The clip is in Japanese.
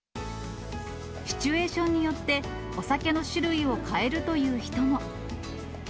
シチュエーションによってお酒の種類を変えるという人も。